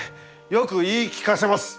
よく言い聞かせます！